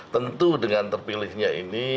tentu dengan terpilihnya ini